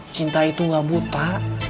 cinta itu gak buta